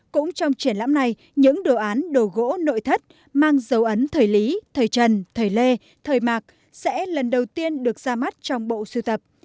cũng trong triển lãm này những đồ án đồ gỗ nội thất mang dấu ấn thời lý thời trần thời lê thời mạc sẽ lần đầu tiên được ra mắt trong bộ sưu tập